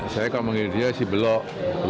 saya kalau mengirinya sibelok